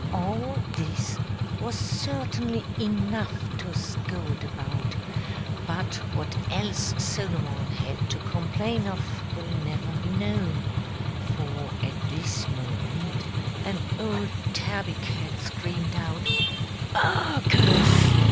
All this was certainly enough to scold about; but what else Solomon had to complain of will never be known, for, at this moment, an old tabby cat screamed out, "Barkers!"